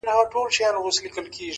پر تندي يې شنه خالونه زما بدن خوري!!